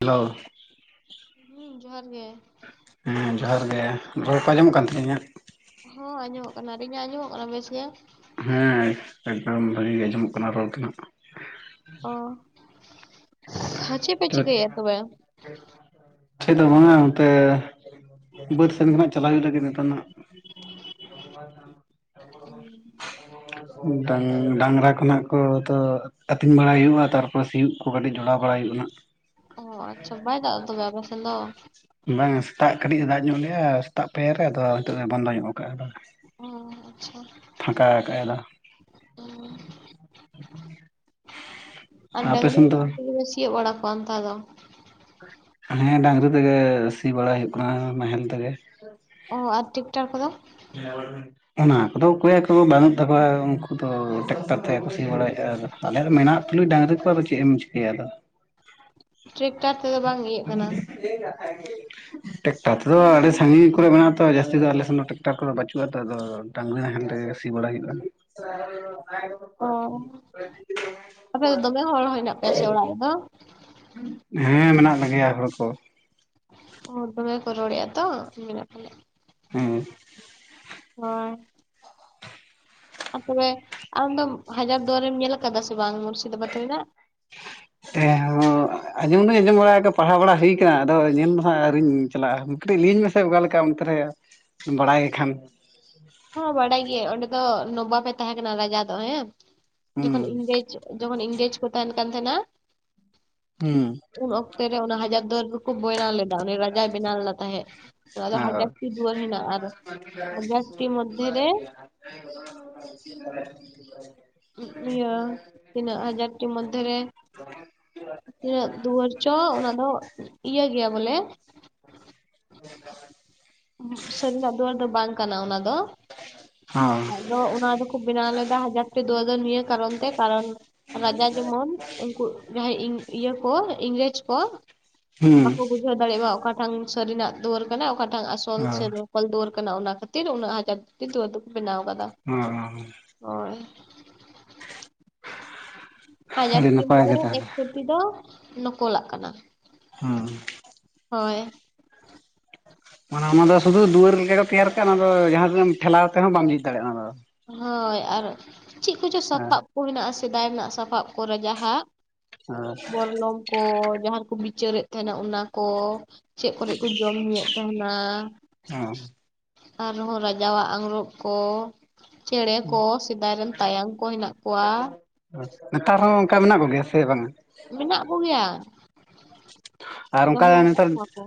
Hello ᱦᱩᱸ ᱡᱚᱦᱟᱨ ᱜᱮ᱾ ᱦᱮᱸ ᱡᱚᱦᱟᱨ ᱜᱮ ᱨᱚᱲ ᱠᱚ ᱟᱸᱡᱚᱢ ᱠᱟᱱ ᱛᱟᱞᱤᱧᱟ? ᱦᱚᱸ ᱟᱸᱡᱚᱢᱚᱜ ᱠᱟᱱᱟ, ᱟᱨ ᱤᱧᱟᱜ ᱟᱸᱡᱚᱢᱚᱜ ᱠᱟᱱᱟ ᱵᱮᱥ ᱜᱮ? ᱦᱮᱸ ᱮᱠᱫᱚᱢ ᱵᱷᱟᱜᱤ ᱜᱮ ᱟᱸᱡᱚᱢᱚᱜ ᱠᱟᱱᱟ ᱨᱚᱲ ᱫᱚ ᱱᱟᱜ ᱚ ᱪᱮᱫ ᱯᱮ ᱪᱤᱠᱟᱹᱭᱮᱫ [unintelligible] ᱛᱚᱵᱮ ᱪᱮᱫ ᱦᱚ ᱵᱟᱝᱟ ᱚᱱᱛᱮ ᱵᱟᱹᱫᱽ ᱥᱮᱱ ᱠᱷᱚᱱᱟᱜ ᱪᱟᱞᱟᱜ ᱦᱩᱭᱩᱜ ᱞᱟᱹᱜᱤᱫ ᱱᱮᱛᱟᱨ ᱦᱟᱸᱜ᱾ [unintelligible] ᱰᱟᱝ ᱰᱟᱝᱨᱟ ᱠᱷᱚᱱᱟᱜ ᱠᱚᱫᱚ ᱟᱹᱛᱤᱧ ᱵᱟᱲᱟᱭ ᱦᱩᱭᱩᱜᱼᱟ ᱛᱟᱨᱯᱚᱨᱮ ᱥᱤᱭᱳᱜ ᱠᱚ ᱠᱟᱹᱴᱤᱡ ᱡᱚᱲᱟᱣ ᱵᱟᱲᱟᱭ ᱦᱩᱭᱩᱜ-ᱟ ᱱᱟᱜ᱾ ᱚ ᱟᱪᱪᱷᱟ ᱵᱟᱭ ᱫᱟ ᱛ ᱵᱮᱵ ᱥᱮᱫ ᱫᱚ? ᱵᱟᱝ ᱥᱮᱛᱟᱜ ᱠᱟᱹᱴᱤᱡ ᱫᱟᱜ ᱧᱚᱜ ᱞᱮᱭᱟ, ᱥᱮᱛᱟᱜ ᱯᱮᱭ ᱨᱮ ᱟᱫᱚ ᱱᱤᱛᱚᱜ ᱫᱚ ᱵᱚᱱᱫᱚ ᱧᱚᱜ ᱠᱟᱜᱼᱟᱭ, ᱵᱟᱝ ᱚ ᱟᱪᱪᱷᱟ ᱯᱷᱟᱸᱠᱟ ᱟᱫᱚ ᱚ᱾ ᱟᱨ ᱟᱯᱮ ᱰᱟᱝᱨᱤ ᱥᱮᱱ ᱫᱚ ᱥᱤᱭᱳᱜ ᱵᱟᱲᱟ ᱠᱚᱣᱟᱢ ᱛᱚ ᱟᱫᱚ᱾ [unintelligible] ᱦᱮᱸ ᱰᱟᱝᱨᱤ ᱛᱮᱜᱮ ᱥᱤ ᱵᱟᱲᱟᱭ ᱦᱩᱭᱩᱜ ᱠᱟᱱᱟ ᱱᱟᱦᱮᱞ ᱛᱮᱜᱮ ᱾ ᱚ ᱟᱨ ᱴᱤᱠᱴᱷᱟᱠ ᱠᱚᱫᱚ [unintelligible] ᱚᱱᱟ ᱠᱚᱫᱚ ᱚᱠᱚᱭᱟᱜᱠᱚ ᱵᱟᱹᱱᱩᱜ ᱛᱟᱠᱚᱣᱟ ᱩᱱᱠᱩ ᱫᱚ ᱴᱮᱠᱴᱟᱨ ᱛᱮ ᱠᱩ ᱥᱤ ᱵᱟᱲᱟᱭᱮᱫᱼᱟ᱾ ᱟᱫᱚ ᱟᱞᱮ ᱫᱚ ᱢᱮᱱᱟᱜ ᱛᱩᱞᱩᱡ ᱰᱟᱝᱨᱤ ᱠᱚ ᱟᱫᱚ ᱪᱮᱫ ᱮᱢ ᱪᱤᱠᱟᱹᱭᱟ ᱟᱫᱚ᱾ [inaudible] ᱛᱮᱫᱚ ᱵᱟᱝ ᱤᱭᱟᱹᱜ ᱠᱟᱱᱟ [inaudible] ᱴᱮᱠᱴᱟᱨ ᱛᱮᱫᱚ ᱟᱹᱰᱤ ᱥᱟᱺᱜᱤᱧ ᱠᱚᱨᱮ ᱢᱮᱱᱟᱜ ᱟᱛᱚ ᱡᱟᱹᱛᱤ ᱫᱚ ᱟᱞᱮ ᱥᱮᱱ ᱫᱚ ᱴᱮᱠ ᱴᱟᱠᱴᱟᱨ ᱠᱚᱫᱚ ᱵᱟᱟᱹᱪᱩᱜᱼᱟ ᱛ ᱰᱟᱝᱨᱤ ᱦᱟᱦᱟᱱ ᱛᱮᱜ ᱥᱤ ᱵᱟᱲᱟ ᱦᱩᱭᱩᱜ ᱠᱟᱱᱟ᱾ ᱚ, ᱟᱯᱮ ᱫᱚ ᱫᱚᱢᱮ ᱦᱚᱲ ᱦᱮᱱᱟᱜ ᱯᱮᱭᱟ ᱥᱮ ᱚᱲᱟᱜ ᱨᱮᱫᱚ? ᱦᱮᱸ ᱢᱮᱱᱟᱜ ᱞᱮᱜᱮᱭᱟ ᱦᱚᱲ ᱠᱚ ᱦᱚᱲ ᱫᱚᱢᱮ ᱠᱚ ᱨᱚᱲ ᱮᱜ-ᱟ ᱛᱚ [unintelligible] ᱦᱮᱸ ᱦᱳᱭ ᱟᱨ ᱛᱚᱵᱮ ᱟᱢ ᱫᱚᱢ ᱦᱟᱡᱟᱨ ᱫᱩᱣᱟᱨᱮᱢ ᱧᱮᱞ ᱠᱟᱫᱟ ᱥᱮ ᱵᱟᱝ ᱢᱩᱨᱥᱤᱫᱟᱵᱟᱫᱽ ᱨᱮᱱᱟᱜ? ᱦᱮᱸ ᱟᱸᱡᱚᱢ ᱫᱩᱧ ᱟᱸᱡᱚᱢ ᱵᱟᱲᱟ ᱯᱟᱲᱦᱟᱣ ᱵᱟᱲᱟ ᱦᱩᱭᱩ ᱠᱟᱱᱟ ᱾ ᱟᱫᱚ ᱧᱮᱞ ᱫᱚ ᱦᱟᱸᱜ ᱟᱹᱣᱨᱤᱧ ᱪᱟᱞᱟᱜ-ᱟ᱾ ᱠᱟᱹᱴᱤᱡ ᱞᱟᱹᱭᱟᱹᱧ ᱢᱮᱥᱮ ᱚᱠᱟ ᱞᱮᱠᱟ ᱚᱱᱛᱮ ᱨᱮ ᱵᱟᱲᱟᱭ ᱠᱷᱟᱱ ᱦᱚᱸ ᱵᱟᱰᱟᱭ ᱜᱮᱭᱟᱹᱧ ᱚᱸᱰᱮ ᱫᱚ ᱱᱚᱵᱟᱵ ᱮ ᱛᱟᱦᱮᱸ ᱠᱟᱱᱟ ᱨᱟᱡᱟ ᱫᱚ ᱦᱮᱸ ᱦᱩᱸ ᱡᱚᱠᱷᱚᱱ ᱤᱝᱨᱮᱡᱽ ᱡᱚᱠᱷᱚᱱ ᱤᱝᱜᱮᱡᱽ ᱠᱚ ᱛᱟᱦᱮᱱ ᱠᱟᱱ ᱛᱟᱦᱮᱱᱟ ᱦᱩᱸ ᱩᱱ ᱚᱠᱛᱮ ᱨᱮ᱾ ᱚᱱᱟ ᱦᱟᱡᱟᱨ ᱫᱩᱭᱟᱹᱨ ᱫᱚᱠᱚ ᱵᱮᱭᱱᱟᱣ ᱞᱮᱫᱟ᱾ ᱩᱱᱤ ᱨᱟᱡᱟᱭ ᱵᱮᱱᱟᱣ ᱞᱮᱫᱟ ᱛᱟᱦᱮᱸᱫ ᱚᱱᱟᱫᱚ ᱚ ᱦᱟᱡᱟᱨ ᱴᱤ ᱫᱩᱣᱟᱹᱨ ᱦᱮᱱᱟᱜ-ᱟ ᱟᱨ ᱦᱟᱡᱟᱨᱴᱤ ᱢᱚᱫᱽᱫᱷᱮ ᱨᱮ [unintelligible] ᱤᱭᱟᱹ ᱛᱤᱱᱟᱹᱜ ᱦᱟᱡᱟᱨ ᱴᱤ ᱢᱚᱫᱫᱷᱮ ᱨᱮ [unintelligible] ᱛᱤᱱᱟᱹᱜ ᱫᱩᱣᱟᱹᱨ ᱪᱚ ᱚᱱᱟ ᱫᱚ ᱤᱭᱟᱹ ᱜᱮᱭᱟ ᱵᱚᱞᱮ ᱥᱟᱹᱨᱤᱱᱟᱜ ᱫᱩᱭᱟᱹᱨ ᱫᱚ ᱵᱟᱝ ᱠᱟᱱᱟ ᱚᱱᱟ ᱫᱚ᱾ ᱦᱚᱸ ᱟᱫᱚ ᱚᱱᱟ ᱫᱚᱠᱚ ᱵᱮᱱᱟᱣ ᱞᱮᱫᱟ ᱦᱟᱡᱟᱨ ᱴᱤ ᱫᱩᱣᱟᱹᱨ ᱫᱚ ᱱᱤᱭᱟᱹ ᱠᱟᱨᱚᱱ ᱛᱮ ᱠᱟᱨᱚᱱ ᱨᱟᱡᱟ ᱡᱮᱢᱚᱱ ᱩᱱᱠᱩ ᱡᱟᱦᱟᱸᱭ ᱤᱭᱟᱹ ᱠᱚ ᱤᱝᱨᱮᱡᱽ ᱠᱚ ᱵᱟᱠᱚ ᱦᱩᱸ ᱵᱩᱡᱷᱟᱹᱣ ᱫᱟᱲᱮᱜᱭᱟᱜ ᱢᱟ ᱚᱠᱟᱴᱟᱝ ᱵᱟᱠ ᱵᱩᱡᱷᱟᱹᱣ ᱫᱟᱲᱮᱭᱟᱜ ᱢᱟ, ᱥᱟᱹᱨᱤᱱᱟᱜ ᱫᱩᱣᱟᱹᱨ ᱠᱟᱱᱟ ᱚᱠᱟᱴᱟᱝ ᱟᱥᱚᱞ ᱚ ᱥᱮ ᱱᱚᱠᱚᱞ ᱫᱩᱣᱟᱹᱨ ᱠᱟᱱᱟ᱾ ᱚᱱᱟ ᱠᱷᱟᱹᱛᱤᱨ ᱩᱱᱟᱹᱜ ᱚᱱᱟ ᱠᱷᱟᱹᱛᱤᱨ ᱫᱩᱣᱟᱹᱨ ᱫᱚᱠᱚ ᱵᱮᱱᱟ ᱠᱟᱫᱟ ᱦᱚᱸ ᱦᱳᱭ ᱵᱟᱡᱟᱨ ᱟᱹᱰᱤ ᱴᱤ ᱱᱟᱯᱟᱭ ᱢᱚᱫᱽᱫᱷᱮ ᱜᱮ ᱨᱮ ᱛᱟᱦᱚᱞᱮ ᱮᱠᱥᱚᱴᱤ ᱫᱚ ᱱᱚᱠᱚᱞᱟᱜ ᱠᱟᱱᱟ ᱾ ᱦᱩᱸ ᱦᱳᱭ ᱢᱟᱱᱮ ᱚᱱᱟ ᱫᱚ ᱥᱩᱫᱷᱩ ᱫᱩᱣᱟᱹᱨ ᱞᱮᱠᱟ ᱚᱱᱟ ᱫᱚ ᱥᱩᱫᱷᱩ ᱫᱩᱣᱟᱹᱨ ᱜᱮ ᱠᱚ ᱛᱮᱭᱟᱨ ᱠᱟᱜᱼᱟ ᱾ ᱚᱱᱟ ᱫᱚ ᱡᱟᱦᱟᱸ ᱛᱤᱱᱟᱹᱜ ᱴᱷᱮᱞᱟᱣ ᱛᱮᱦᱚᱸᱢ ᱵᱟᱢ ᱡᱷᱤᱡ ᱫᱟᱲᱮᱭᱟᱜ-ᱟ ᱚᱱᱟ ᱫᱚ ᱦᱳᱭ, ᱟᱨ ᱪᱮᱫ ᱠᱚᱪᱚ ᱥᱟᱯᱟᱵ ᱠᱚ ᱦᱮᱱᱟᱜ-ᱟ ᱥᱮᱫᱟᱭ ᱨᱮᱱᱟᱜ ᱥᱟᱯᱟᱵ ᱠᱚᱨᱮ ᱨᱟᱡᱟ ᱦᱟᱜ ᱵᱚᱨᱞᱚᱝ ᱠᱚ ᱡᱟᱦᱟᱸ ᱨᱮ ᱠᱚ ᱵᱤᱪᱟᱹᱨᱮᱫ ᱛᱟᱦᱮᱱᱟ ᱚᱱᱟ ᱠᱚ ᱪᱮᱫ ᱠᱚᱨᱮ ᱠᱚ ᱡᱚᱢ ᱧᱩᱭᱮᱫ ᱛᱟᱦᱮᱱᱟ ᱦᱮᱸ ᱦᱮᱸ ᱟᱨᱦᱚᱸ ᱨᱟᱡᱟᱣᱟᱜ ᱟᱝᱜᱨᱚᱵᱽ ᱠᱚ ᱪᱮᱬᱮ ᱠᱚ ᱥᱮᱫᱟᱭ ᱨᱮᱱ ᱛᱟᱭᱟᱱ ᱠᱚ ᱦᱮᱱᱟᱜ ᱠᱚᱣᱟ᱾ ᱱᱮᱛᱟᱨ ᱦᱚᱸ ᱚᱱᱠᱟ ᱢᱮᱱᱟᱜ ᱠᱚ ᱜᱮᱭᱟ ᱥᱮ ᱵᱟᱝᱟ? ᱢᱮᱱᱟᱜ ᱠᱚ ᱜᱮᱭᱟ ᱟᱨ ᱚᱱᱠᱟ ᱟᱠᱟᱫ ᱱᱮᱛᱟᱨ ᱠᱚᱣᱟ ᱠᱚ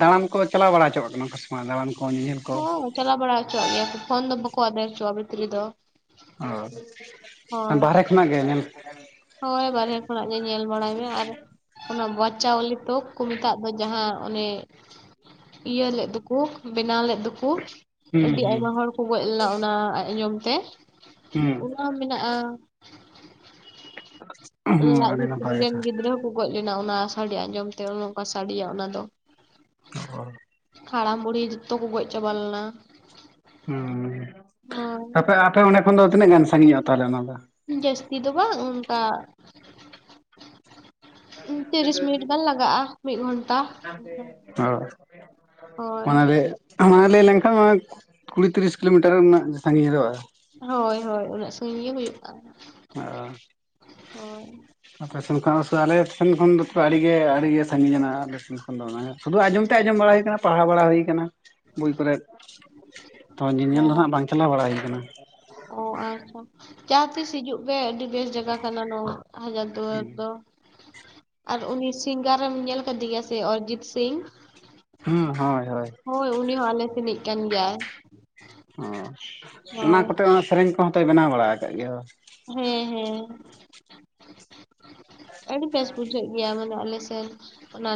ᱫᱟᱬᱟᱱ ᱠᱚ ᱪᱟᱞᱟᱣ ᱵᱟᱲᱟ ᱦᱚᱪᱚᱣᱟᱜ ᱠᱟᱱᱟ ᱥᱮ ᱢᱟ ᱫᱟᱬᱟᱱ ᱠᱚ ᱧᱮᱧᱮᱞ ᱠᱚ ᱦᱚᱸ ᱪᱟᱞᱟᱣ ᱵᱟᱲᱟ ᱦᱚᱪᱚᱣᱟᱜ ᱜᱮᱭᱟ ᱯᱷᱳᱱ ᱫᱚ ᱵᱟᱠᱚ ᱟᱫᱮᱨ ᱦᱚᱪᱚᱣᱟᱜ-ᱟ ᱵᱷᱤᱛᱨᱤ ᱫᱚ ᱚ ᱦᱳᱭ ᱵᱟᱦᱨᱮ ᱠᱷᱚᱱᱟᱜ ᱜᱮ ᱧᱮᱞ ᱦᱳᱭ ᱵᱟᱨᱦᱮ ᱠᱷᱚᱱᱟᱜ ᱜᱮ ᱧᱮᱞ ᱵᱟᱲᱟᱭ ᱢᱮ ᱟᱨ ᱚᱱᱟ ᱵᱟᱪᱪᱟᱣᱞᱤ ᱛᱚᱠ ᱠᱚ ᱢᱮᱛᱟᱜ ᱫᱚ ᱡᱟᱦᱟᱸ ᱚᱱᱮ ᱤᱭᱟᱹ ᱞᱮᱫ ᱫᱚᱠᱚ ᱵᱮᱱᱟᱣ ᱞᱮᱫ ᱫᱚᱠᱚ ᱦᱩᱸ ᱟᱹᱰᱤ ᱦᱩᱸ ᱟᱭᱢᱟ ᱦᱚᱲ ᱠᱚ ᱜᱚᱡ ᱞᱮᱱᱟ ᱚᱱᱟ ᱟᱸᱡᱚᱢ ᱛᱮ ᱚᱱᱟ ᱦᱩᱸ ᱢᱮᱱᱟᱜ-ᱟ᱾ ᱦᱩᱸ ᱞᱟᱪ ᱟᱹᱰᱤ ᱵᱷᱤᱛᱨᱤ ᱱᱟᱯᱟᱭ ᱨᱮᱱ ᱠᱟᱛᱷᱟ ᱜᱤᱫᱽᱨᱟᱹ ᱠᱚ ᱜᱚᱡ ᱞᱮᱱᱟ᱾ ᱚᱱᱟ ᱥᱟᱰᱮ ᱟᱸᱡᱚᱢ ᱛᱮ ᱚᱱ ᱚᱱᱠᱟ ᱥᱟᱰᱮᱭᱟ ᱚᱱᱟ ᱫᱚ [inaudible] ᱦᱟᱲᱟᱢ ᱵᱩᱲᱦᱤ ᱡᱚᱛᱚ ᱠᱚ ᱜᱚᱡ ᱪᱟᱵᱟ ᱞᱮᱱᱟ᱾ ᱦᱩᱸ ᱦᱳᱭ ᱟᱯᱮ ᱟᱯᱮ ᱚᱸᱰᱮ ᱠᱷᱚᱱ ᱫᱚ ᱛᱤᱱᱟᱹᱜ ᱜᱟᱱ ᱥᱟᱺᱜᱤᱧᱚᱜ-ᱟ ᱛᱟᱦᱚᱞᱮ ᱚᱱᱟ ᱫᱚ? ᱡᱟᱹᱥᱛᱤ ᱫᱚ ᱵᱟᱝ ᱚᱱᱠᱟ [unintelligible] ᱛᱤᱨᱤᱥ ᱢᱤᱱᱤᱴ ᱜᱟᱱ ᱞᱟᱜᱟᱜᱼᱟ ᱢᱤᱫ ᱜᱷᱚᱱᱴᱟ ᱦᱳᱭ ᱚᱱᱟ ᱞᱟᱹᱭ ᱞᱮᱱᱠᱷᱟᱱ ᱠᱩᱲᱤ ᱛᱤᱨᱤᱥ ᱠᱤᱞᱳᱢᱤᱴᱟᱨ ᱨᱮᱱᱟᱜ ᱥᱟᱜᱤᱧ [unintelligible] ᱦᱚᱜᱼᱟ᱾ ᱦᱳᱭ ᱦᱳᱭ ᱩᱱᱟᱹᱜ ᱥᱟᱺᱜᱤᱧ ᱜᱮ ᱦᱩᱭᱩᱜ ᱠᱟᱱᱟ ᱚ [unintelligible] ᱦᱳᱭ ᱟᱯᱮ ᱥᱮᱱ ᱠᱷᱚᱱ ᱟᱞᱮᱮᱥᱮᱱ ᱠᱷᱚᱱ ᱫᱚ ᱟᱹᱰᱤᱜᱮ ᱟᱹᱰᱤᱜᱮ ᱥᱟᱺᱜᱤᱧᱱᱟᱜ-ᱟ ᱟᱞᱮ ᱥᱮᱱ ᱠᱷᱚᱱ ᱫᱚ ᱥᱩᱫᱩ ᱟᱸᱡᱚᱢ ᱛᱮ ᱟᱸᱡᱚᱢ ᱵᱟᱲᱟ ᱦᱩᱭ ᱠᱟᱱᱟ ᱯᱟᱲᱦᱟᱣ ᱵᱟᱲᱟ ᱦᱩᱭ ᱠᱟᱱᱟ ᱵᱳᱭ ᱠᱚᱨᱮ ᱛᱚ ᱚ ᱧᱮᱧᱮᱞ ᱫᱚ ᱦᱟᱸᱜ ᱵᱟᱝ ᱪᱟᱞᱟᱣ ᱵᱟᱲᱟ ᱦᱩᱭ ᱠᱟᱱᱟ ᱚ ᱟᱪᱪᱷᱟ ᱡᱟᱦᱟᱸ ᱛᱤᱥ ᱦᱤᱡᱩᱜ ᱯᱮ ᱟᱹᱰᱤ ᱵᱮᱥ ᱡᱟᱭᱜᱟ ᱠᱟᱱᱟ ᱱᱚᱣᱟ ᱦᱟᱡᱟᱨ ᱫᱩᱣᱟᱨ ᱫᱚ ᱟᱨ ᱩᱱᱤ ᱥᱤᱝᱜᱟᱨᱮᱢ ᱧᱮᱞ ᱠᱟᱫᱤ ᱜᱤᱭᱟ ᱥᱮ ᱚᱨᱤᱡᱤᱛ ᱥᱤᱝ ᱦᱩᱸ ᱦᱳᱭ ᱦᱳᱭ ᱦᱳᱭ ᱩᱱᱤ ᱦᱚᱸ ᱟᱞᱮ ᱥᱮᱱᱤᱡ ᱠᱟᱱ ᱜᱮᱭᱟᱭ ᱚ ᱚᱱᱟ ᱦᱳᱭ ᱠᱚᱛᱮ ᱦᱚᱸ ᱥᱮᱨᱮᱧ ᱠᱚᱦᱚᱸ ᱛᱚᱭ ᱵᱮᱱᱟᱣ ᱵᱟᱲᱟ ᱟᱠᱟᱫ ᱜᱮᱭᱟ ᱦᱮᱸ ᱦᱮᱸ ᱟᱹᱰᱤ ᱵᱮᱥ ᱵᱩᱡᱷᱟᱹᱜ ᱜᱮᱭᱟ ᱢᱟᱱᱮ ᱟᱞᱮ ᱥᱮᱫ ᱚᱱᱟ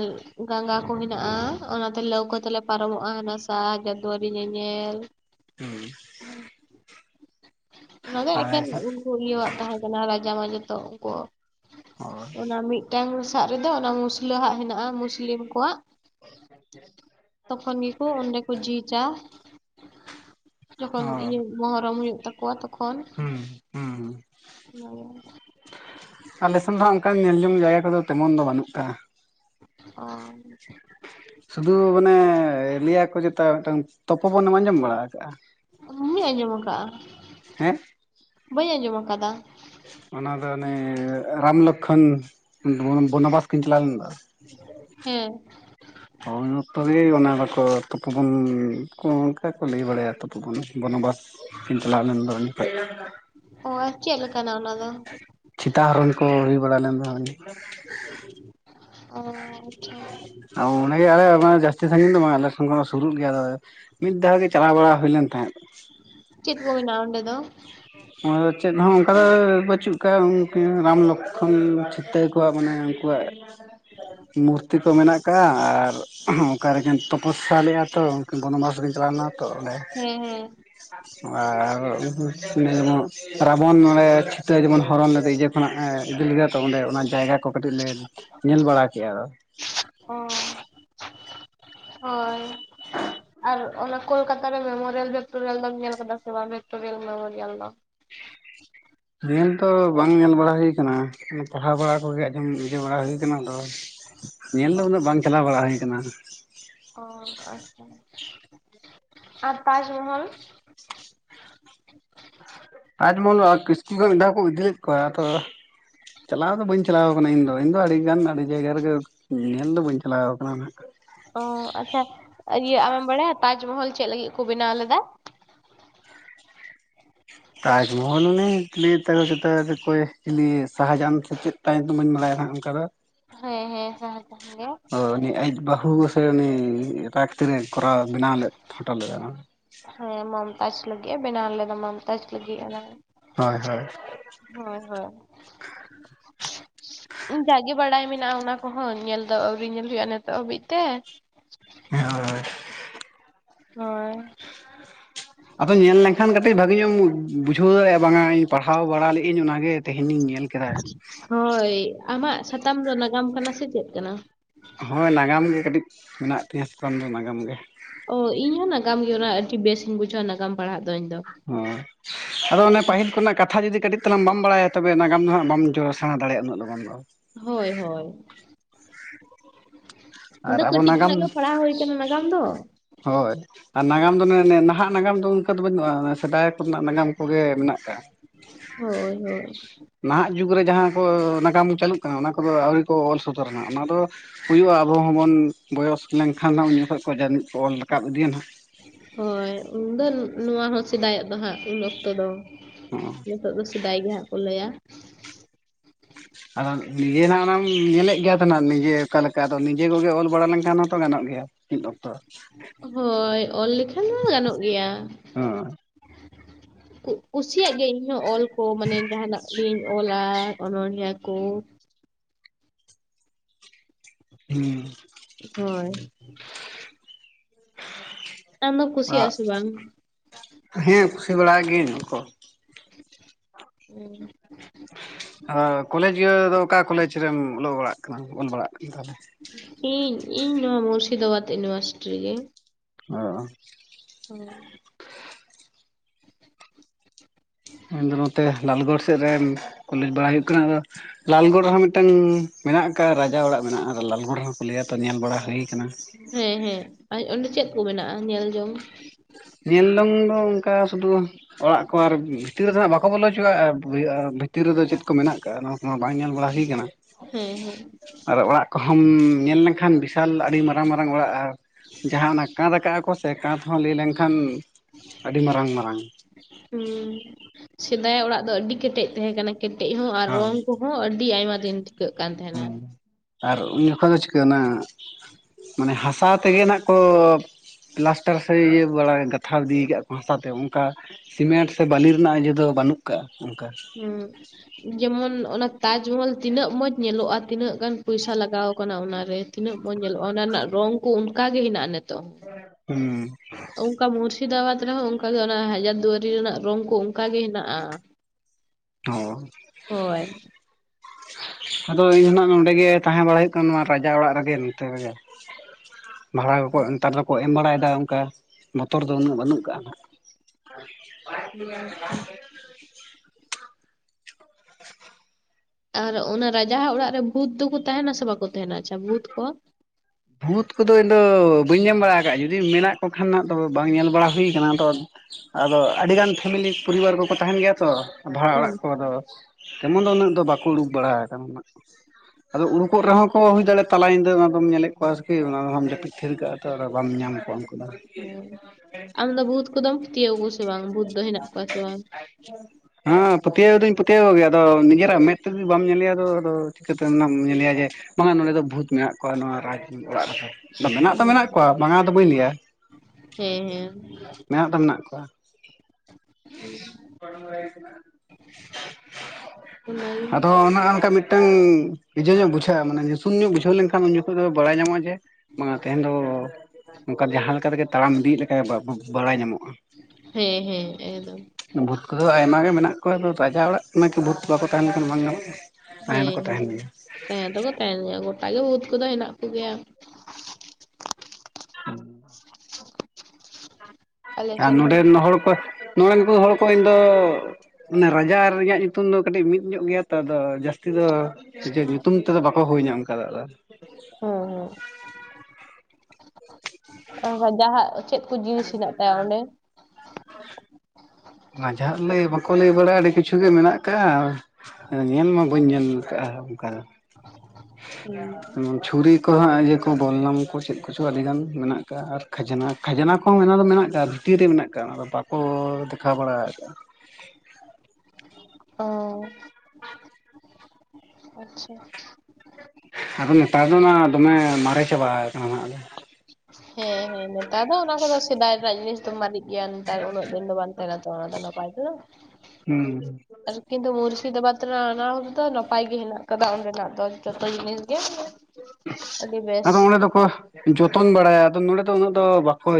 ᱜᱟᱸᱜᱟ ᱠᱚ ᱢᱮᱱᱟᱜᱼᱟ ᱚᱱᱟᱛᱮ ᱞᱟᱹᱣᱠᱟᱹ ᱛᱮᱞᱮ ᱯᱟᱨᱚᱢᱚᱜᱼᱟ ᱦᱟᱱᱟ ᱥᱟ ᱡᱟᱫᱣᱟᱨᱤ ᱧᱮᱧᱮᱞ [inaudible] [unintelligible] ᱚᱱᱟᱫᱚ ᱟᱞᱮ ᱮᱠᱷᱮᱱ [unintelligible] ᱥᱮᱫ ᱩᱱᱠᱩ ᱤᱭᱟ. ᱣᱟᱜ ᱛᱟᱦᱮᱸ ᱠᱟᱱᱟ ᱨᱟᱡᱟ ᱢᱟᱞᱤᱜ ᱛᱚ ᱩᱱᱠᱩ ᱦᱳᱭ ᱚᱱᱟ ᱢᱤᱫ ᱢᱤᱫᱴᱟᱝ ᱥᱟᱜ ᱨᱮᱫᱚ ᱚᱱᱟ ᱢᱩᱥᱞᱟᱹ ᱟᱟᱜ ᱢᱮᱱᱟᱜᱼᱟ ᱢᱩᱥᱞᱤᱢ ᱠᱚᱣᱟᱜ [unintelligible] ᱛᱚᱠᱷᱚᱱ ᱜᱮᱠᱚ ᱚᱸᱰᱮᱠᱩ ᱡᱷᱤᱡᱟ ᱡᱚᱠᱷᱚᱱ ᱦᱳᱭ ᱤᱭᱟᱹ ᱢᱚᱦᱚᱨᱚᱢ ᱦᱩᱭᱩᱜ ᱛᱟᱠᱚᱣᱟ ᱛᱚᱠᱷᱚᱱ ᱦᱩᱸ ᱦᱩᱸᱸ [unintelligible] ᱢ [inaudible] ᱟᱞᱮᱥᱮᱱ ᱫᱚ ᱦᱟᱸᱜ ᱚᱱᱠᱟᱱ ᱧᱮᱞ ᱡᱚᱝ ᱡᱟᱭᱜᱟ ᱠᱚᱫᱚ ᱛᱮᱢᱚᱱ ᱫᱚ ᱵᱟᱹᱱᱩᱜ ᱟᱠᱟ-ᱟ ᱚ [unintelligible] ᱥᱩᱫᱩ ᱢᱟᱱᱮ ᱞᱟᱹᱭᱟᱠᱚ ᱡᱮᱴᱟ ᱢᱤᱫᱴᱟᱝ ᱛᱚᱯᱚᱵᱚᱱ ᱮᱢ ᱟᱸᱡᱚᱢ ᱵᱟᱲᱟ ᱟᱠᱟᱜᱼᱟ? [unintelligible] ᱤᱧᱚᱜ ᱟᱸᱡᱚᱢᱟ ᱠᱟᱜᱼᱟ ᱦᱮᱸ [inaudible] ᱵᱟᱹᱧ ᱟᱸᱡᱚᱢ ᱟᱠᱟᱫᱟ ᱚᱱᱟ ᱫᱚ ᱚᱱᱮ ᱨᱟᱢ ᱞᱚᱠᱠᱷᱚᱱ ᱵᱚᱱᱟᱵᱟᱥ ᱠᱤᱱ ᱪᱟᱞᱟᱣ ᱞᱮᱱ ᱫᱚ ᱦᱮᱸ ᱦᱳᱭ ᱩᱱ ᱚᱛᱚ ᱜᱮ ᱚᱱᱟ ᱫᱚᱠᱚ ᱛᱩᱯᱚᱵᱚᱱ ᱠᱚ ᱚᱱᱠᱟ ᱠᱚ ᱞᱟᱹᱭ ᱵᱟᱲᱟᱭᱟ ᱛᱩᱯᱚᱵᱚᱱ ᱵᱚᱱᱚᱵᱟᱥ ᱠᱤᱱ ᱪᱟᱞᱟᱣ ᱢᱮᱱᱫᱚ ᱤᱱᱠᱷᱮ [unintelligible] ᱚ ᱟᱨ ᱪᱮᱫ ᱞᱮᱠᱟᱱᱟ ᱚᱱᱟ ᱫᱚ? ᱪᱷᱤᱛᱟ ᱦᱚᱨᱚᱱ ᱠᱚ ᱦᱩᱭ ᱵᱟᱲᱟ ᱞᱮᱱ ᱫᱚ [unintelligible] [unintelligible] ᱚ ᱟᱪᱪᱷᱟ ᱟ ᱚᱸᱰᱮᱮ ᱟᱞᱮ ᱡᱟᱹᱥᱛᱤ ᱥᱟᱺᱜᱤᱧ ᱫᱚ ᱵᱟᱝ [unintelligible] ᱟᱞᱮ ᱥᱮᱱ ᱠᱷᱚᱱ ᱥᱩᱨᱩᱜ ᱜᱮᱭᱟ ᱟᱫᱚ ᱢᱤᱫ ᱫᱷᱟᱣ ᱜᱮ ᱪᱟᱞᱟᱣ ᱵᱟᱲᱟ ᱦᱩᱭ ᱞᱮᱱ ᱛᱟᱦᱮᱸᱫ ᱪᱮᱫ ᱠᱚ ᱢᱮᱱᱟᱜ ᱟ ᱚᱱᱰᱮ ᱫᱚ? ᱦᱮᱸ [inaudible] ᱚᱱᱟᱫᱚ ᱪᱮᱫ ᱦᱚᱸ ᱚᱱᱠᱟ ᱫᱚ ᱵᱟᱹᱪᱩᱜ ᱠᱚᱣᱟ ᱩᱱᱠᱤᱱ ᱨᱟᱢ ᱞᱚᱠᱷᱚᱱ ᱪᱷᱤᱛᱟᱹ ᱠᱚᱣᱟᱜ ᱢᱟᱱᱮ ᱩᱱᱠᱩᱣᱟᱜ ᱢᱩᱨᱛᱤ ᱠᱚ ᱢᱮᱱᱟᱜ ᱠᱟᱜᱼᱟ ᱟᱨ [unintelligible] ᱚᱠᱠᱟ ᱨᱮᱠᱤᱱ ᱛᱚᱯᱚᱥᱭᱟ ᱞᱮᱫᱼᱟ ᱛᱚ ᱩᱱᱠᱤᱱ ᱵᱚᱱᱚᱵᱟᱥ ᱠᱤᱱ ᱪᱟᱞᱟᱣ ᱞᱮᱱᱟ ᱛᱚ ᱟᱞᱮ ᱦᱮᱸ ᱦᱮᱸ [unintelligible] ᱟᱨ ᱨᱟᱵᱚᱱ ᱱᱚᱰᱮ [unintelligible] ᱤᱛᱟᱹ ᱡᱮᱢᱚᱱ ᱦᱚᱨᱚᱱ ᱞᱮᱫ ᱤᱭᱟᱹ ᱠᱷᱚᱱᱟᱜ ᱤᱫᱤ ᱞᱮᱫᱟ ᱛᱚ ᱚᱸᱰᱮ ᱚᱱᱟ ᱡᱟᱭᱜᱟ ᱠᱚ ᱠᱟᱹᱴᱤᱡ ᱞᱮ ᱧᱮᱞ ᱵᱟᱲᱟ ᱠᱮᱜ-ᱟ [unintelligible] ᱚ ᱦᱳ ᱦᱮ [inaudible] ᱟᱨ ᱚᱱᱟ ᱠᱳᱞᱠᱟᱛᱟ ᱨᱮ ᱢᱮᱢᱳᱨᱤᱭᱟᱞ ᱵᱷᱮᱠᱴᱳᱨᱤᱭᱟᱞ ᱫᱚᱢ ᱧᱮᱞ ᱟᱠᱟᱫᱟ ᱥᱮ ᱵᱟᱝ ᱵᱷᱮᱠᱴᱳᱨᱤᱭᱟᱞ ᱢᱮᱢᱳᱨᱤᱭᱟᱞ ᱫᱚ ᱧᱮᱞ ᱫᱚ ᱵᱟᱝ ᱧᱮᱞ ᱵᱟᱲᱟ ᱦᱩᱭᱩ ᱟᱠᱟᱱᱟ ᱚᱱᱮ ᱯᱟᱲᱦᱟᱣ ᱵᱟᱲᱟ ᱠᱚᱜᱮ ᱮᱢ ᱤᱭᱟᱹ ᱵᱟᱲᱟ ᱦᱩᱭ ᱟᱠᱟᱱᱟ ᱟᱫᱚ ᱧᱮᱞ ᱫᱚ ᱩᱱᱟᱹᱜ ᱵᱟᱝ ᱪᱟᱞᱟᱣ ᱵᱟᱲᱟ ᱦᱩᱭᱩ ᱟᱠᱟᱱᱟ ᱚ ᱟᱪᱪᱷᱟ [unintelligible] ᱟᱨ ᱛᱟᱡᱢᱚᱦᱚᱞ ᱟᱡᱢᱚᱱᱚᱜ-ᱟ ᱠᱤᱥᱛᱤ ᱠᱷᱚᱱ ᱢᱤᱫᱷᱟ ᱠᱚ ᱤᱫᱤᱭᱮᱫ ᱠᱚᱣᱟ ᱛᱚ ᱪᱟᱞᱟᱣ ᱫᱚ ᱵᱟᱹᱧ ᱪᱟᱞᱟᱣ ᱠᱟᱱᱟ ᱤᱧ ᱫᱚ ᱤᱧ ᱫᱚ ᱟᱹᱰᱤ ᱜᱟᱱ ᱟᱹᱰᱤ ᱡᱟᱭᱜᱟ ᱨᱮᱜᱮ ᱧᱮᱞ ᱫᱚ ᱵᱟᱹᱧ ᱪᱟᱞᱟᱣ ᱟᱠᱟᱱᱟ ᱱᱟᱦᱟᱜ ᱚ ᱟᱪᱷᱟ ᱤᱭᱟᱹ ᱟᱢᱮᱢ ᱵᱟᱲᱟᱭᱟ ᱛᱟᱡᱽᱢᱚᱦᱚᱞ ᱪᱮᱫ ᱞᱟᱹᱜᱤᱫ ᱠᱚ ᱵᱮᱱᱟᱣ ᱞᱮᱫᱟ ᱛᱟᱡᱽᱢᱚᱦᱚᱞ ᱚᱱᱮ ᱪᱤᱞᱟᱹᱭ ᱛᱟ ᱪᱮᱛᱟᱱ ᱨᱮᱠᱚᱭ ᱪᱤᱞᱤ ᱥᱟᱦᱟᱡᱟᱱ ᱥᱮ ᱪᱮᱫ ᱛᱟᱭᱚᱢ ᱛᱮ ᱫᱚ ᱵᱟᱹᱧ ᱵᱟᱲᱟᱭᱮᱫ ᱱᱟᱦᱟᱜ ᱚᱱᱠᱟ ᱫᱚ ᱦᱮᱸ ᱦᱮᱸ ᱦᱮᱸ ᱛᱟᱦᱞᱮ ᱚ ᱩᱱᱤ ᱟᱡ ᱵᱟᱹᱦᱩ ᱥᱮ ᱩᱱᱤ ᱨᱟᱠ ᱛᱮ ᱠᱚᱨᱟᱣ ᱵᱮᱱᱟᱣ ᱞᱮᱫ ᱦᱚᱴᱚ ᱞᱮᱫ-ᱟ ᱦᱮᱸ ᱢᱚᱢᱛᱟᱡ ᱞᱟᱹᱜᱤᱫ ᱮ ᱵᱮᱱᱟᱣ ᱞᱮᱫᱟ ᱢᱚᱢᱛᱟᱡ ᱞᱟᱹᱜᱤᱫ ᱚᱱᱟ ᱦᱳᱭ ᱦᱳᱭ ᱦᱳᱭ ᱦᱳᱭ ᱡᱟᱜᱮ ᱵᱟᱰᱟᱭ ᱢᱮᱱᱟᱜ-ᱟ ᱚᱱᱟ ᱠᱚᱦᱚᱸ ᱧᱮᱞ ᱫᱚ ᱟᱹᱣᱨᱤ ᱧᱮᱞ ᱦᱩᱭᱩᱜ-ᱟ ᱱᱤᱛᱚᱜ ᱦᱟᱹᱵᱤᱡ ᱛᱮ ᱦᱳᱭ ᱦᱳᱭ ᱟᱫᱚ ᱧᱮᱞ ᱞᱮᱱᱠᱷᱟᱱ ᱠᱟᱹᱴᱤᱡ ᱵᱷᱟᱜᱤᱧᱚᱜ ᱮᱢ ᱵᱩᱡᱷᱟᱹᱣᱟ ᱵᱟᱝ ᱟᱹᱧ ᱯᱟᱲᱦᱟᱣ ᱵᱟᱲᱟ ᱞᱮᱫ ᱟᱹᱧ ᱚᱱᱟᱜᱮ ᱛᱮᱦᱮᱧ ᱧᱮᱞ ᱠᱮᱫ ᱦᱳᱭ ᱟᱢᱟᱜ ᱥᱟᱛᱟᱢ ᱫᱚ ᱱᱟᱜᱟᱢ ᱠᱟᱱᱟ ᱥᱮ ᱪᱮᱫ ᱠᱟᱱᱟ ᱦᱳᱭ ᱱᱟᱜᱟᱢ ᱜᱮ ᱠᱟᱹᱴᱤᱡ ᱢᱮᱱᱟᱜ ᱛᱤᱧᱟᱹ ᱥᱟᱛᱟᱢ ᱫᱚ ᱱᱟᱜᱟᱢ ᱜᱮ ᱚ ᱤᱧ ᱦᱚᱸ ᱱᱟᱜᱟᱢ ᱜᱮ ᱚᱱᱟ ᱟᱹᱰᱤ ᱵᱮᱥᱤᱧ ᱵᱩᱡᱷᱟᱹᱣᱟ ᱱᱟᱜᱟᱢ ᱯᱟᱲᱦᱟᱜ ᱫᱚ ᱤᱧ ᱫᱚ ᱦᱚ ᱟᱫᱚ ᱚᱱᱮ ᱯᱟᱹᱦᱤᱞ ᱠᱷᱚᱱᱟᱜ ᱠᱟᱛᱷᱟ ᱡᱩᱫᱤ ᱠᱟᱹᱴᱤᱡ ᱛᱞᱟᱧ ᱵᱟᱢ ᱵᱟᱲᱟᱭᱟ ᱛᱚᱵᱮ ᱱᱟᱜᱟᱢ ᱨᱮᱭᱟᱜ ᱵᱟᱢ ᱵᱩᱡᱷ ᱥᱮᱬᱟ ᱫᱟᱲᱮᱭᱟᱜ-ᱟ ᱩᱱᱟᱹᱜ ᱞᱚᱜᱚᱱ ᱫᱚ ᱦᱳᱭ ᱦᱳᱭ ᱟᱨ ᱤᱫᱚ ᱟᱵᱚ ᱠᱟᱹᱴᱤᱡ ᱱᱟᱜᱟᱢ ᱠᱷᱚᱱᱟᱜ ᱜᱮ ᱯᱟᱲᱦᱟᱣ ᱦᱩᱭ ᱠᱟᱱᱟ ᱱᱟᱜᱟᱢ ᱫᱚ ᱦᱳᱭ ᱟᱨ ᱱᱟᱜᱟᱢ ᱫᱚ ᱮ ᱱᱟᱦᱟᱜ ᱱᱟᱜᱟᱢ ᱫᱚ ᱚᱱᱠᱟ ᱫᱚ ᱵᱟᱹᱱᱩᱜ-ᱟ ᱥᱮᱫᱟᱭ ᱠᱚᱨᱮᱱᱟᱜ ᱱᱟᱜᱟᱢ ᱠᱚᱜᱮ ᱢᱮᱱᱟᱜ ᱠᱟᱜ-ᱟ ᱦᱳᱭ ᱦᱳᱭ ᱱᱟᱦᱟᱜ ᱡᱩᱜᱽ ᱨᱮ ᱡᱟᱦᱟᱸ ᱠᱚ ᱱᱟᱜᱟᱢ ᱪᱟᱹᱞᱩᱜ ᱠᱟᱱᱟ ᱚᱱᱟ ᱠᱚᱫᱚ ᱟᱹᱣᱨᱤ ᱠᱚ ᱚᱞ ᱥᱚᱫᱚᱨᱱᱟ ᱚᱱᱟ ᱫᱚ ᱦᱩᱭᱩᱜ-ᱟ ᱨᱩ ᱦᱚᱸᱵᱚᱱ ᱵᱚᱭᱚᱥ ᱞᱮᱱᱠᱷᱟᱱ ᱩᱱ ᱡᱚᱠᱷᱚᱱ ᱠᱚ ᱡᱟᱹᱱᱤᱡ ᱠᱚ ᱚᱞ ᱨᱟᱠᱟᱵ ᱤᱫᱤᱭᱟ ᱱᱟᱦᱟᱜ ᱦᱳᱭ ᱩᱱᱫᱚ ᱱᱚᱣᱟ ᱦᱚᱸ ᱥᱮᱫᱟᱭᱚᱜ ᱫᱚ ᱦᱟᱸᱜ ᱩᱱ ᱚᱠᱛᱚ ᱫᱚ ᱱᱤᱛᱚᱜ ᱫᱚ ᱥᱮᱫᱟᱭ ᱜᱮ ᱦᱟᱸᱜ ᱠᱚ ᱞᱟᱹᱭᱟ ᱟᱫᱚ ᱱᱤᱡᱮ ᱦᱟᱜ ᱚᱱᱟᱢ ᱧᱮᱞᱮᱫ ᱜᱮᱭᱟ ᱛᱟᱦᱮᱸᱱᱟ ᱱᱤᱡᱮ ᱚᱠᱟᱮ ᱞᱮᱠᱟ ᱟᱫᱚ ᱱᱤᱡᱮ ᱠᱚᱜᱮ ᱚᱞ ᱵᱟᱲᱟ ᱞᱮᱱᱠᱷᱟᱱ ᱦᱚᱸᱛᱚ ᱜᱟᱱᱚᱜ ᱜᱮᱭᱟ ᱢᱤᱫ ᱚᱠᱛᱚ ᱦᱳᱭ ᱚᱞ ᱞᱮᱠᱷᱟᱱ ᱢᱟ ᱜᱟᱱᱚᱜ ᱜᱮᱭᱟ ᱠᱩᱥᱤᱭᱟᱜ ᱜᱮ ᱤᱧ ᱦᱚᱸ ᱚᱞ ᱠᱚ ᱢᱟᱱᱮ ᱡᱟᱦᱟᱱᱟᱜ ᱜᱤᱧ ᱚᱞᱟ ᱚᱱᱚᱞᱤᱭᱟᱹ ᱠᱚ ᱦᱮᱸ ᱦᱳᱭ ᱟᱢ ᱫᱚᱢ ᱠᱩᱥᱤᱭᱟᱜᱼᱟ ᱥᱮ ᱵᱟᱝ ᱦᱮᱸ ᱠᱩᱥᱤ ᱵᱟᱲᱟ ᱟᱜ ᱜᱤᱭᱟᱹ ᱱᱩᱠᱩ ᱦᱩᱸ ᱦᱚ ᱠᱚᱞᱮᱡᱽ ᱤᱭᱟᱹ ᱫᱚ ᱚᱠᱟ ᱠᱚᱞᱮᱡᱽ ᱨᱮᱢ ᱚᱞᱚᱜ ᱵᱟᱲᱟᱜ ᱠᱟᱱᱟ ᱚᱞ ᱵᱟᱲᱟᱜ ᱠᱟᱱᱟ ᱛᱟᱦᱚᱞᱮ ᱤᱧ ᱤᱧ ᱱᱚᱣᱟ ᱢᱩᱨᱥᱤᱫᱟᱵᱟᱫ ᱤᱭᱩᱱᱤᱵᱷᱟᱨᱥᱤᱴᱤ ᱨᱮᱜᱮ ᱚ ᱦᱩᱸ ᱤᱧᱫᱚ ᱱᱚᱛᱮ ᱞᱟᱞᱜᱚᱲ ᱥᱮᱫ ᱨᱮᱱ ᱠᱚᱞᱮᱡᱽ ᱵᱟᱲᱟᱭ ᱦᱩᱭᱩᱜ ᱠᱟᱱᱟ ᱟᱫᱚ ᱞᱟᱞᱜᱚᱲ ᱨᱮᱦᱚᱸ ᱢᱤᱫᱴᱟᱝ ᱢᱮᱱᱟᱜ ᱟᱠᱟᱫ ᱨᱟᱡᱟ ᱚᱲᱟᱜ ᱢᱮᱱᱟᱜ-ᱟ ᱞᱟᱞᱜᱚᱲ ᱨᱮᱦᱚᱸ ᱠᱚ ᱞᱟᱹᱭᱟ ᱛᱚ ᱧᱮᱞ ᱵᱟᱲᱟ ᱦᱩᱭ ᱟᱠᱟᱱᱟ ᱦᱮᱸ ᱦᱮᱸ ᱟᱨ ᱚᱸᱰᱮ ᱪᱮᱫ ᱠᱚ ᱢᱮᱱᱟᱜ-ᱟ ᱧᱮᱞ ᱡᱚᱝ ᱧᱮᱞ ᱡᱚᱝ ᱫᱚ ᱚᱱᱠᱟ ᱥᱩᱫᱩ ᱚᱲᱟᱜ ᱠᱚ ᱟᱨᱠᱤ ᱵᱷᱤᱛᱤᱨ ᱨᱮᱫᱚ ᱱᱟᱦᱟᱜ ᱵᱟᱠᱚ ᱵᱚᱞᱚ ᱚᱪᱚᱣᱟᱜ-ᱟ ᱟᱨ ᱵᱷᱤᱛᱤᱨ ᱨᱮᱫᱚ ᱪᱮᱫ ᱠᱚ ᱢᱮᱱᱟᱜ ᱟᱠᱟᱫᱟ ᱚᱱᱟ ᱠᱚ ᱵᱟᱝ ᱧᱮᱞ ᱵᱟᱲᱟ ᱚᱪᱚᱧ ᱠᱟᱱᱟ ᱦᱮᱸ ᱦᱮᱸ ᱟᱨ ᱚᱲᱟᱜ ᱠᱚᱦᱚᱸᱚᱢ ᱧᱮᱞ ᱞᱮᱱᱠᱷᱟᱱ ᱵᱤᱥᱟᱞ ᱟᱹᱰᱤ ᱢᱟᱨᱟᱝ ᱢᱟᱨᱟᱝ ᱚᱲᱟᱜ-ᱟ ᱡᱟᱦᱟᱸ ᱚᱱᱟ ᱠᱟᱸᱛ ᱠᱟᱜ-ᱟ ᱠᱚ ᱥᱮ ᱠᱟᱸᱛ ᱦᱚᱸ ᱞᱟᱹᱭ ᱞᱮᱱᱠᱷᱟᱱ ᱟᱹᱰᱤ ᱢᱟᱨᱟᱝ ᱢᱟᱨᱟᱝ ᱦᱩᱸ ᱥᱮᱫᱟᱭ ᱚᱲᱟᱜ ᱫᱚ ᱟᱹᱰᱤ ᱠᱮᱴᱮᱡ ᱛᱟᱦᱮᱸ ᱠᱟᱱᱟ ᱠᱮᱴᱮᱡ ᱦᱚᱸ ᱟᱨ ᱦᱮᱸ ᱨᱚᱝ ᱠᱚ ᱦᱚᱸ ᱟᱹᱰᱤ ᱟᱭᱢᱟ ᱫᱤᱱ ᱴᱷᱤᱠᱟᱹᱜ ᱠᱟᱱ ᱛᱟᱦᱮᱸᱱᱟ ᱦᱮᱸ ᱾ ᱟᱨ ᱩᱱ ᱡᱚᱠᱷᱚᱱ ᱫᱚ ᱪᱤᱠᱟᱹᱱᱟ ᱾ ᱦᱟᱥᱟ ᱛᱮᱜᱮ ᱱᱟᱜ ᱠᱚ ᱯᱞᱟᱥᱴᱟᱨ ᱥᱮ ᱤᱭᱟᱹ ᱵᱟᱲᱟ ᱜᱟᱛᱷᱟᱣ ᱤᱫᱤ ᱠᱟᱜᱼᱟ ᱠᱚ ᱦᱟᱥᱟᱛᱮ ᱚᱱᱠᱟ ᱾ ᱥᱤᱢᱮᱱᱴ ᱥᱮ ᱵᱟᱹᱞᱤ ᱨᱮᱱᱟᱜ ᱤᱭᱟᱹ ᱫᱚ ᱵᱟᱹᱱᱩᱜ ᱠᱟᱜ-ᱟ ᱚᱱᱠᱟ ᱦᱩᱸ ᱡᱮᱢᱚᱱ ᱚᱱᱟ ᱛᱟᱡᱢᱚᱦᱚᱞ ᱛᱤᱱᱟᱹᱜ ᱢᱚᱸᱡᱽ ᱧᱮᱞᱚᱜ-ᱟ ᱛᱤᱱᱟᱹᱜ ᱜᱟᱱ ᱯᱚᱭᱥᱟ ᱞᱟᱜᱟᱣ ᱠᱟᱱᱟ ᱚᱱᱟᱨᱮ ᱛᱤᱱᱟᱹᱜ ᱵᱚᱱ ᱧᱮᱞᱚᱜ-ᱟ ᱚᱱᱟ ᱨᱮᱱᱟᱜ ᱨᱚᱝ ᱠᱚ ᱚᱱᱠᱟ ᱜᱮ ᱦᱮᱱᱟᱜ-ᱟ ᱱᱤᱛᱚᱜ ᱦᱚᱸ ᱦᱩᱸ ᱚᱱᱠᱟ ᱢᱩᱨᱥᱤᱫᱟᱵᱟᱫᱽ ᱨᱮᱦᱚᱸ ᱚᱱᱠᱟ ᱜᱮ ᱚᱱᱟ ᱦᱟᱡᱟᱨ ᱫᱩᱣᱟᱨᱤ ᱨᱮᱱᱟᱜ ᱨᱚᱝ ᱠᱚ ᱚᱱᱠᱟ ᱜᱮ ᱦᱮᱱᱟᱜᱼᱟ ᱾ ‍‍ [inaudible] ᱦ [unintelligible] ᱟᱫᱚ ᱤᱧ ᱦᱚᱸᱱᱟᱜ ᱱᱚᱰᱮᱜᱮ ᱛᱟᱦᱮᱸ ᱵᱟᱲᱟ ᱦᱩᱭᱩᱜ ᱠᱟᱱᱟ ᱱᱚᱣᱟ ᱨᱟᱡᱟ ᱚᱲᱟᱜ ᱨᱮᱜᱮ ᱱᱚᱛᱮ ᱨᱮᱜᱮ ᱾ [inaudible] ᱵᱷᱟᱲᱟ ᱠᱚᱠᱚ ᱱᱮᱛᱟᱨ ᱫᱚᱠᱚ ᱮᱢ ᱵᱟᱲᱟᱭᱮᱫᱟ ᱚᱱᱠᱟ ᱵᱚᱛᱚᱨ ᱫᱚ ᱩᱱᱟᱹᱜ ᱵᱟᱹᱱᱩᱜ ᱠᱟᱜᱼᱟ ᱱᱟᱜ ᱾ [unintelligible] ᱦᱸ ᱟᱪᱷᱟ ᱾ ᱟᱨ ᱚᱱᱟ ᱨᱟᱡᱟᱦᱟᱜ ᱚᱲᱟᱜ ᱨᱮ ᱵᱷᱩᱛ ᱫᱚᱠᱚ ᱛᱟᱦᱮᱱᱟ ᱥᱮ ᱵᱟᱠᱚ ᱛᱟᱦᱮᱱᱟ ᱟᱪᱪᱷᱟ ᱵᱷᱩᱛ ᱠᱚ? ᱵᱷᱩᱛ ᱠᱚᱫᱚ ᱤᱧᱫᱚ ᱵᱟᱹᱧ ᱧᱟᱢ ᱵᱟᱲᱟ ᱠᱟᱜᱼᱟ ᱡᱩᱫᱤ ᱢᱮᱱᱟᱜ ᱠᱚ ᱠᱷᱟᱱ ᱱᱷᱟᱜ ᱫᱚ ᱵᱟᱝ ᱧᱮᱞ ᱵᱟᱲᱟ ᱦᱩᱭ ᱠᱟᱱᱟ ᱟᱫᱚ ᱟᱫᱚ ᱟᱹᱰᱤᱜᱟᱱ ᱯᱷᱮᱢᱮᱞᱤ ᱯᱚᱨᱤᱵᱟᱨ ᱠᱚᱠᱚ ᱛᱟᱦᱮᱱ ᱜᱮᱭᱟ ᱛᱚ ᱾ ᱵᱷᱟᱲᱟ ᱦᱩᱸ ᱚᱲᱟᱜ ᱠᱚᱫᱚ ᱮᱢᱚᱱ ᱫᱚ ᱩᱱᱟᱹᱜ ᱫᱚ ᱵᱟᱠᱚ ᱩᱰᱩᱠ ᱵᱟᱲᱟ ᱠᱟᱱᱟ ᱱᱷᱟᱜ ᱾ ᱟᱫᱚ ᱩᱲᱩᱠᱚᱜ ᱨᱮᱦᱚᱸ ᱠᱚ ᱦᱩᱭ ᱫᱟᱲᱮᱭᱟᱜ ᱛᱟᱞᱟ ᱧᱤᱫᱟᱹ ᱟᱫᱚᱢ ᱧᱮᱞᱮᱫ ᱠᱚᱥᱠᱤ ᱚᱱᱟᱦᱚᱢ ᱡᱟᱹᱯᱤᱫ ᱛᱷᱤᱨ ᱠᱟᱜᱼᱟ ᱛᱚ ᱟᱫᱚ ᱵᱟᱢ ᱧᱟᱢᱮᱫ ᱠᱚᱣᱟ ᱩᱱᱠᱩ ᱫᱚ᱾ ᱦᱮᱸ ᱟᱢᱫᱚ ᱵᱷᱩᱛ ᱠᱚᱫᱚᱢ ᱯᱟᱹᱛᱭᱟᱹᱣ ᱠᱚᱣᱟ ᱥᱮ ᱵᱟᱝ? ᱵᱷᱩᱛ ᱫᱚ ᱦᱮᱱᱟᱜ ᱠᱚᱣᱟ ᱥᱮ ᱵᱟᱝ? ᱦᱮᱸ [unintelligible] ᱦᱮᱸ ᱯᱟᱹᱛᱭᱟᱹᱣ ᱫᱚᱧ ᱯᱟᱹᱛᱭᱟᱹᱣ ᱜᱮᱭᱟ ᱟᱫᱚ ᱱᱤᱡᱮᱨᱟᱜ ᱢᱮᱫ ᱛᱮ ᱡᱩᱫᱤ ᱵᱟᱢ ᱧᱮᱞᱮᱭᱟ ᱟᱫᱚ ᱟᱫᱚ ᱪᱤᱠᱟᱹᱛᱮᱢ ᱚᱱᱟᱢ ᱧᱮᱞᱮᱭᱟ ᱡᱮ ᱵᱟᱝᱟ ᱱᱚᱸᱰᱮ ᱫᱚ ᱵᱷᱩᱛ ᱢᱮᱱᱟᱜ ᱠᱚᱣᱟ ᱱᱚᱣᱟ ᱨᱟᱡᱽ ᱚᱲᱟᱜ ᱨᱮᱫᱚ ᱾ ᱟᱫᱚ ᱢᱮᱱᱟᱜ ᱛᱚ ᱢᱮᱱᱟᱜ ᱠᱚᱣᱟ ᱵᱟᱝᱟ ᱫᱚ ᱵᱟᱹᱧ ᱞᱟᱹᱭᱟ᱾ ᱦᱮᱸ ᱦᱮᱸ ᱦᱮᱸ ᱦᱮᱸ ᱢᱮᱱᱟᱜ ᱫᱚ ᱢᱮᱱᱟᱜ ᱠᱚᱣᱟ᱾ [unintelligible] ᱚᱱᱟᱜᱮ ᱟᱫᱚ ᱚᱱᱮ ᱚᱱᱠᱟ ᱢᱤᱫ ᱴᱟᱝ ᱤᱭᱟᱹ ᱧᱚᱜ ᱵᱩᱡᱷᱟᱹᱜᱼᱟ ᱢᱟᱱᱮ ᱧᱩᱛᱩᱢ ᱧᱚᱜ ᱵᱩᱡᱷᱟᱹᱣ ᱞᱮᱱᱠᱷᱟᱱ ᱩᱱ ᱡᱚᱠᱷᱚᱠ ᱫᱚ ᱵᱟᱲᱟᱭ ᱧᱟᱢᱚᱜᱼᱟ ᱡᱮ ᱵᱟᱝᱟ ᱛᱮᱦᱮᱧ ᱫᱚ ᱚᱱᱠᱟ ᱡᱟᱦᱟᱸ ᱞᱮᱠᱟ ᱛᱮᱜᱮ ᱛᱟᱲᱟᱢ ᱤᱫᱤᱭᱮᱜ ᱞᱮᱠᱟ ᱜᱮᱵᱚ ᱟᱵᱚ ᱵᱟᱲᱟᱭ ᱧᱟᱢᱚᱜᱼᱟ ᱾ ᱦᱮ ᱦᱮ ᱮᱠᱫᱚᱢ ᱾ ᱵᱷᱩᱛ ᱠᱚᱫᱚ ᱟᱭᱢᱟ ᱜᱮ ᱢᱮᱱᱟᱜ ᱠᱚᱣᱟ ᱟᱫᱚ ᱨᱟᱡᱟ ᱚᱲᱟᱜ ᱠᱟᱱᱟ ᱠᱤ ᱵᱷᱩᱛ ᱵᱟᱠᱚ ᱛᱟᱦᱮᱱ ᱠᱷᱟᱱ ᱵᱟᱝ ᱜᱟᱱᱚᱜᱼᱟ? ᱛᱟᱦᱮᱸ ᱫᱚᱠᱚ ᱢᱮᱸᱻ ᱛᱟᱦᱮᱱ ᱜᱮᱭᱟ ᱾ ᱛᱟᱦᱮᱸ ᱫᱚᱠᱚ ᱛᱟᱦᱮᱱ ᱜᱮᱭᱟ ᱜᱚᱴᱟ ᱜᱮ ᱵᱷᱩᱛ ᱠᱚᱫᱚ ᱦᱮᱱᱟᱜ ᱠᱚᱜᱮᱭᱟ ᱾ ᱴᱷᱮᱸᱻᱲᱚᱝᱹᱹᱹᱹᱹᱦᱮᱞᱳ ᱾ [unintelligible] ᱪᱷᱮᱻᱨᱨᱹᱹᱹᱹᱹ [unintelligible] ᱟᱨ ᱱᱚᱰᱮᱱ ᱦᱚᱲ ᱠᱚ ᱱᱚᱰᱮᱱᱠᱚ ᱦᱚᱲ ᱠᱚ ᱤᱧ ᱫᱚ ᱚᱱᱮ ᱨᱟᱡᱟ ᱨᱮᱭᱟᱜ ᱤᱧ ᱧᱩᱛᱩᱢ ᱫᱚ ᱠᱟᱹᱴᱤᱡ ᱢᱤᱫ ᱧᱚᱜ ᱜᱮᱭᱟ ᱛᱚ ᱟᱫᱚ ᱡᱟᱹᱥᱛᱤ ᱫᱚ ᱡᱟᱹᱡᱩᱜ ᱛᱩᱝ ᱛᱮᱫᱚ ᱵᱟᱠᱚ ᱦᱳᱭ ᱧᱟᱢ ᱠᱟᱫᱟᱼ ᱫᱟ ᱾ ᱦᱚᱸ-ᱦᱚᱸ, ᱟᱵᱚ ᱡᱟᱦᱟᱸᱜ ᱚᱪᱚ ᱾ ᱪᱮᱫ ᱠᱚ ᱡᱤᱱᱤᱥ ᱦᱮᱱᱟᱜ ᱛᱟᱭᱟ ᱚᱸᱰᱮ? ᱢᱟᱡᱷᱟᱜ ᱞᱟᱹᱭ, ᱵᱟᱠᱚ ᱞᱟᱹᱭ ᱵᱟᱲᱟᱭᱟ ᱟᱹᱰᱤ ᱠᱤᱪᱷᱩ ᱜᱮ ᱢᱮᱱᱟᱜ ᱠᱟᱜᱼᱟ ᱧᱮᱞ ᱢᱟ ᱵᱟᱹᱧ ᱧᱮᱞ ᱮᱦ-ᱮ ᱚᱱᱠᱟ ᱱᱟᱜ ᱮ-ᱭᱟ, ᱦᱩᱸ ᱚᱸᱜ ᱚᱱᱠᱟ ᱫᱚ [unintelligible] ᱪᱷᱩᱨᱤ ᱠᱚ ᱦᱟᱸᱜ ᱤᱭᱟᱹ ᱠᱚ ᱵᱚᱞᱞᱟᱢ ᱠᱚ ᱪᱮᱫ ᱠᱚᱪᱚ ᱟᱹᱰᱤᱜᱟᱱ ᱢᱮᱱᱟᱜ ᱠᱟᱜ-ᱟ ᱟᱨ ᱠᱷᱟᱡᱽᱱᱟ, ᱠᱷᱟᱡᱽᱱᱟ ᱠᱚᱦᱚᱸ ᱢᱮᱱᱟᱜ ᱫᱚ ᱢᱮᱱᱟᱜ ᱠᱟᱜ-ᱟ ᱟᱨ ᱛᱤᱨᱮ ᱢᱮᱱᱟᱜ ᱠᱟᱜ-ᱟ ᱚᱱᱟ ᱫᱚ ᱵᱟᱠᱚ ᱫᱮᱠᱷᱟᱣ ᱵᱟᱲᱟ ᱠᱟᱜᱼᱟ? ᱠᱷᱤᱲᱤᱝ-ᱚᱻ ᱾ ᱦᱚᱲᱟᱝ ᱦᱚᱲ, ᱟᱪᱪᱷᱟ ᱾ ᱪᱷᱟ-ᱟᱫᱚ ᱱᱮᱛᱟᱨ ᱫᱚ ᱪᱷᱮ ᱱᱟᱜ ᱫᱚᱢᱮ ᱢᱟᱨᱮ ᱪᱟᱵᱟ ᱟᱠᱟᱱᱟ ᱱᱟᱜ ᱟᱫᱚ ᱾ ᱦᱮᱸ ᱦᱮᱸ ᱱᱮᱛᱟᱨ ᱫᱚ ᱚᱱᱟ ᱠᱚᱫᱚ ᱥᱮᱫᱟᱭ ᱨᱮᱱᱟᱜ ᱡᱤᱱᱤᱥ ᱛᱚ ᱢᱟᱨᱤᱡ ᱜᱮᱭᱟ ᱱᱮᱛᱟᱨ ᱩᱱᱟᱹᱜ ᱫᱤᱱ ᱫᱚ ᱵᱟᱝ ᱛᱟᱦᱮᱱᱟ ᱛᱚ ᱚᱱᱟ ᱫᱚ ᱱᱟᱯᱟᱭ ᱛᱮᱫᱚ᱾ ᱦᱩᱸ ᱟᱨ ᱠᱤᱱᱛᱩ ᱢᱩᱨᱥᱤᱫᱟᱵᱟᱫᱽ ᱨᱮᱱᱟᱜ ᱚᱱᱟ ᱫᱚ ᱱᱟᱯᱟᱭ ᱜᱮ ᱦᱮᱱᱟᱜ ᱟᱠᱟᱫᱟ ᱚᱸᱰᱮᱱᱟᱜ ᱫᱚ ᱡᱚᱛᱚ ᱡᱤᱱᱤᱥ ᱜᱮ᱾ ᱪᱷᱤ-ᱨ -ᱨ, ᱟᱹᱰᱤ ᱵᱮᱥ᱾ ᱟᱫᱚᱠᱚ ᱡᱚᱛᱚᱱ ᱵᱟᱲᱟᱭᱟ ᱟᱫᱚ ᱱᱚᱰᱮ ᱫᱚ ᱩᱱᱟᱹᱜ ᱫᱚ ᱵᱟᱠᱚᱼᱼ